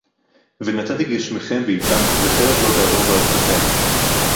ונתתי גשמיכם בעתם וחרב לא תעבור בארצכם